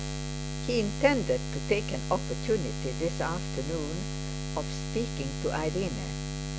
He intended to take an opportunity this afternoon of speaking to Irene.